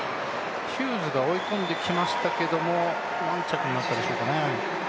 ヒューズが追い込んできましたけども、何着になったでしょうね？